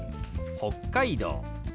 「北海道」。